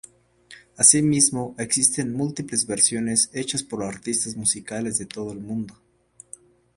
Asimismo, existen múltiples versiones hechas por artistas musicales de todo el mundo.